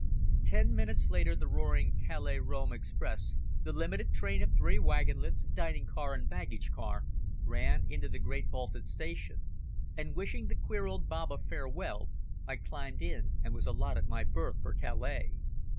Ten minutes later, the roaring Calais Rome express, the limited train of three wagon lits, dining car and baggage car, ran into the great vaulted station, and, wishing the queer old Babbo farewell, I climbed in and was allotted my berth for Calais.